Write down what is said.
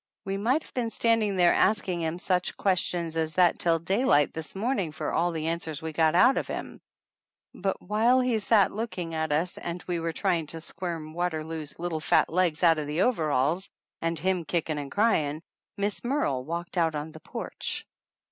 We might have been standing there asking him such questions as that till daylight this morning for all the answers we got out of him, but while he sat looking at us and we were try ing to squirm Waterloo's little fat legs out of the overalls and him kicking and crying, Miss Merle walked out on the porch.